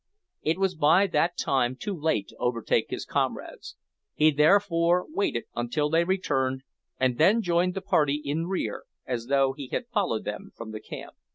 It was by that time too late to overtake his comrades. He therefore waited until they returned, and then joined the party in rear, as though he had followed them from the camp.